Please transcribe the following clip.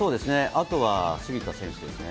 あとは杉田選手ですね。